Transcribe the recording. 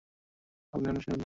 তুমি কি আপনা-আপনি সেরে উঠবে?